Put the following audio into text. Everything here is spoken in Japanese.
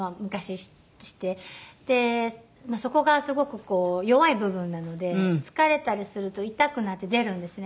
でそこがすごく弱い部分なので疲れたりすると痛くなって出るんですね。